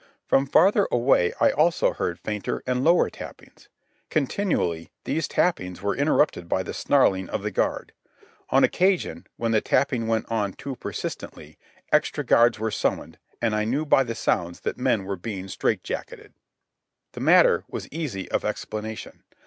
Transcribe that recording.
From farther away I also heard fainter and lower tappings. Continually these tappings were interrupted by the snarling of the guard. On occasion, when the tapping went on too persistently, extra guards were summoned, and I knew by the sounds that men were being strait jacketed. The matter was easy of explanation.